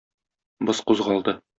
Боз кузгалды.